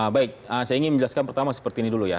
baik saya ingin menjelaskan pertama seperti ini dulu ya